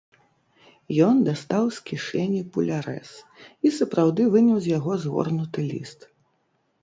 Ён дастаў з кішэні пулярэс і сапраўды выняў з яго згорнуты ліст.